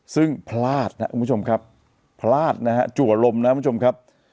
ซึ่งพลาดนะครับคุณผู้ชมครับพลาดนะฮะจัวลมนะครับคุณผู้ชมครับ